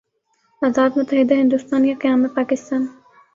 آزاد متحدہ ہندوستان یا قیام پاکستان؟